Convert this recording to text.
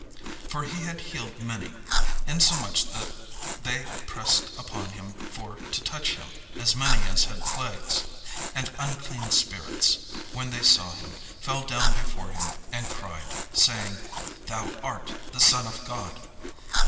For he had healed many; insomuch that they pressed upon him for to touch him, as many as had plagues. And unclean spirits, when they saw him, fell down before him, and cried, saying: "Thou art the Son of God."